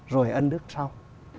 rồi ân đức sau